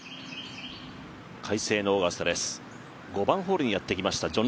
５番ホールにやってきました